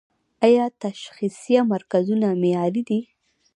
آیا تشخیصیه مرکزونه معیاري دي؟